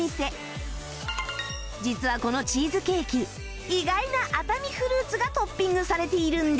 実はこのチーズケーキ意外な熱海フルーツがトッピングされているんです